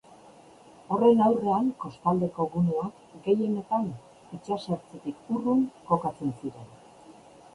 Horren aurrean kostaldeko guneak gehienetan itsas-ertzetik urrun kokatzen ziren.